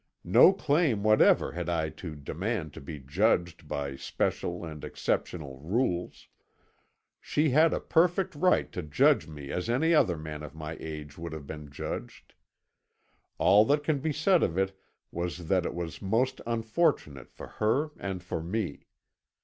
No claim whatever had I to demand to be judged by special and exceptional rules. She had a perfect right to judge me as any other man of my age would have been judged. All that can be said of it was that it was most unfortunate for her and for me.